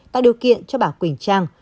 tại điều kiện cho bà quỳnh trang